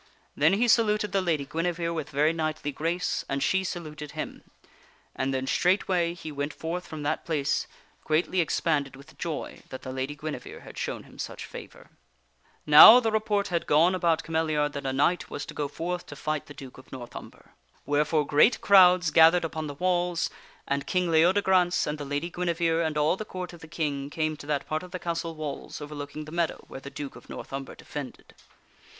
Then he saluted the Lady Guinevere with very knightly grace, and she saluted him, and then, straightway, he went forth from that place, greatly expanded with joy that the Lady Guinevere had shown him such favor. 96 THE WINNING OF A QUEEN Now the report had gone about Cameliard that a knight was to go forth to fight the Duke of North Umber. Wherefore great crowds gath ered upon the walls, and King Leodegrance and the Lady Guinevere and ail the Court of the King came to that part of the castle walls overlooking the meadow where the Duke of North Umber defended.